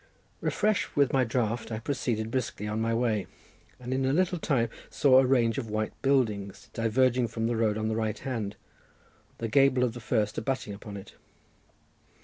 Refreshed with my draught, I proceeded briskly on my way, and in a little time saw a range of white buildings, diverging from the road on the right hand, the gable of the first abutting upon it.